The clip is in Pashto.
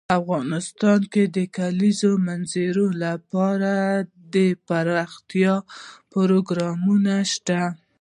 افغانستان کې د د کلیزو منظره لپاره دپرمختیا پروګرامونه شته.